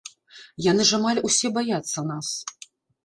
Яны ж амаль усе баяцца нас!